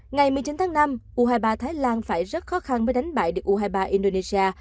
ngày một mươi chín tháng năm u hai mươi ba thái lan phải rất khó khăn mới đánh bại được u hai mươi ba indonesia